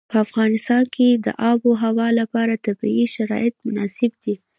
په افغانستان کې د آب وهوا لپاره طبیعي شرایط مناسب دي.